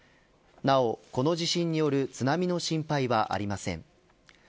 なお、この地震による津波の心配はありません。